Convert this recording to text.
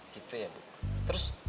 gitu ya bu terus